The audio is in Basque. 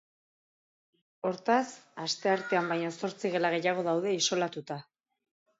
Hortaz, asteartean baino zortzi gela gehiago daude isolatuta.